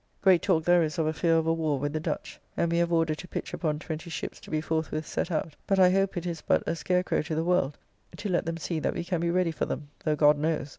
Great talk there is of a fear of a war with the Dutch; and we have order to pitch upon twenty ships to be forthwith set out; but I hope it is but a scarecrow to the world, to let them see that we can be ready for them; though, God knows!